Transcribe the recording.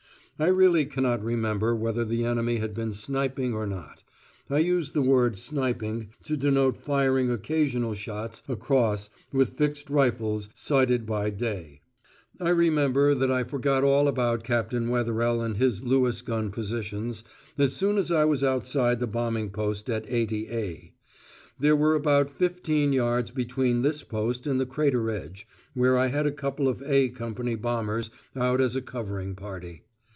I really cannot remember whether the enemy had been sniping or not (I use the word "sniping" to denote firing occasional shots across with fixed rifles sited by day). I remember that I forgot all about Captain Wetherell and his Lewis gun positions, as soon as I was outside the bombing post at 80A. There were about fifteen yards between this post and the crater edge, where I had a couple of "A" Company bombers out as a covering party.